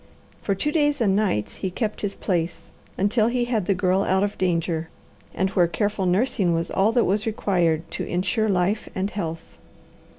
For two days and nights he kept his place, until he had the Girl out of danger, and where careful nursing was all that was required to insure life and health.